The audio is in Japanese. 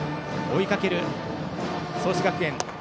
追いかける創志学園。